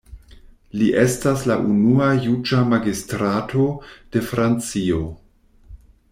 Li estas la unua juĝa magistrato de Francio.